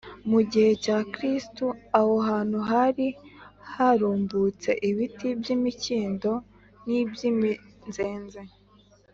mu gihe cya kristo, aho hantu hari harumbutse ibiti by’imikindo n’iby’iminzenze